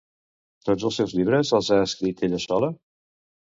Tots els seus llibres els ha escrit ella sola?